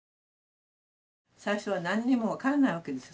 最初は何にも分かんないわけです。